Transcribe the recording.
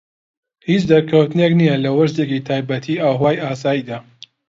هیچ دەرکەوتنێک نیە لە وەرزێکی تایبەتی ئاوهەوای ئاساییدا.